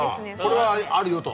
これはあるよと。